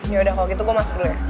yaudah kalau gitu gue masuk dulu ya